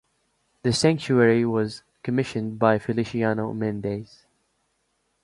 The sanctuary was commissioned by Feliciano Mendes.